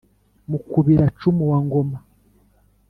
mukubira-cumu wa ngoma,